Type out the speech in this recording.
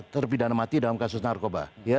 terpidana mati dalam kasus narkoba